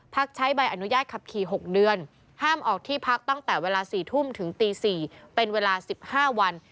ใช้ใบอนุญาตขับขี่๖เดือนห้ามออกที่พักตั้งแต่เวลา๔ทุ่มถึงตี๔เป็นเวลา๑๕วัน